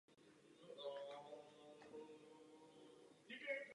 Je bývalou držitelkou světového rekordu v hodu diskem.